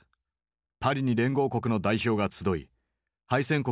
パリに連合国の代表が集い敗戦国